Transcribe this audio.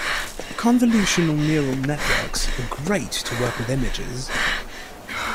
Convolutional Neural Networks are great to work with images.